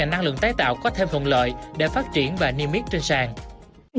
năng lượng tái tạo có thêm thuận lợi để phát triển và niêm yết trên sàn